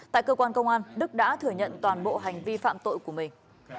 tại cơ quan công an đức đã thừa nhận toàn bộ hành vi phạm tội của mình